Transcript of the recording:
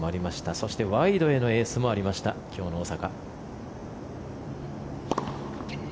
そしてワイドへのエースもありました今日の大坂。